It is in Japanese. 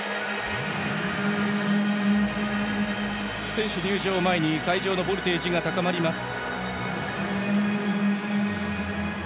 選手入場を前に会場のボルテージが高まります。